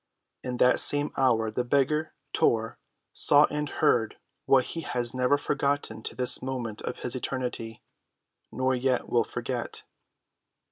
In that same hour the beggar, Tor, saw and heard what he has never forgotten to this moment of his eternity—nor yet will forget.